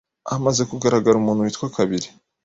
hamaze kugaragara umuntu wa kabiri